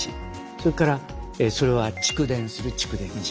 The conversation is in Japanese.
それからそれを蓄電する蓄電池。